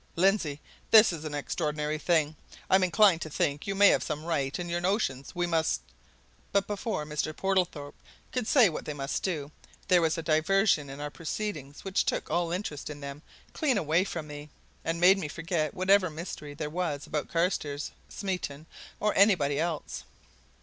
Lindsey, this is an extraordinary thing! I'm inclined to think you may have some right in your notions. We must " But before Mr. Portlethorpe could say what they must do, there was a diversion in our proceedings which took all interest in them clean away from me, and made me forget whatever mystery there was about Carstairs, Smeaton, or anybody else.